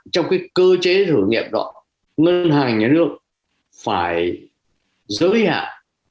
trong cái cơ chế thử nghiệm đó ngân hàng nhà nước phải giới hạn